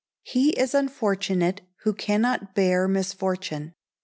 [HE IS UNFORTUNATE WHO CANNOT BEAR MISFORTUNE.